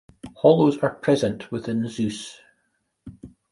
Hollows are present within Seuss.